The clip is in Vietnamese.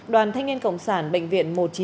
đoàn thanh niên cộng sản bệnh viện một trăm chín mươi